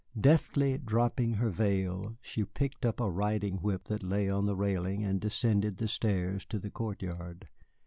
Deftly dropping her veil, she picked up a riding whip that lay on the railing and descended the stairs to the courtyard.